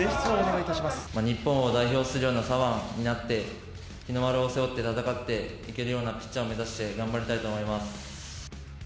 日本を代表するような左腕になって日の丸を背負って戦っていけるようなピッチャーを目指して頑張っていきたいとお思います。